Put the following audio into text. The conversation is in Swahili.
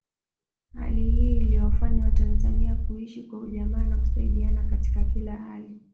Hali hii iliwafanya watanzania kuishi kwa ujamaa na kusaidiana katika kila hali